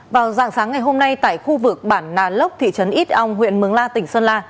vào dạng sáng ngày hôm nay tại khu vực bản nà lốc thị trấn ít ong huyện mường la tỉnh sơn la